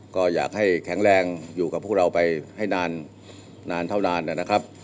ก็อยากให้แข็งแรงอยู่กับพวกเราไปให้นานเท่านานนะครับ